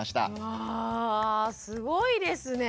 わあすごいですね。